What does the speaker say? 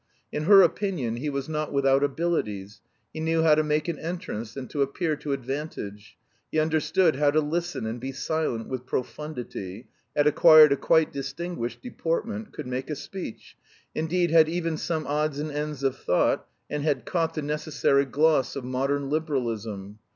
In her opinion he was not without abilities, he knew how to make an entrance and to appear to advantage, he understood how to listen and be silent with profundity, had acquired a quite distinguished deportment, could make a speech, indeed had even some odds and ends of thought, and had caught the necessary gloss of modern liberalism.